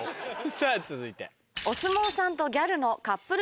さぁ続いて。